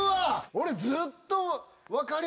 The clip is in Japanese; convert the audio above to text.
俺ずっと。